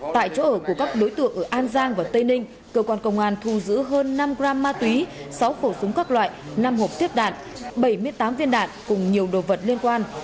tại chỗ ở của các đối tượng ở an giang và tây ninh cơ quan công an thu giữ hơn năm gram ma túy sáu khẩu súng các loại năm hộp tiếp đạn bảy mươi tám viên đạn cùng nhiều đồ vật liên quan